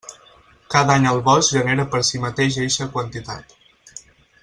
Cada any el bosc genera per si mateix eixa quantitat.